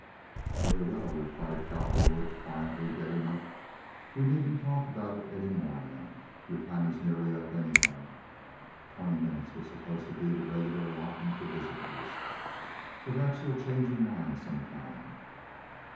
"Very well," replied Cowperwood, quietly, getting up. "We needn't talk about it any more now. Your time is nearly up, anyhow." (Twenty minutes was supposed to be the regular allotment for visitors.) "Perhaps you'll change your mind sometime."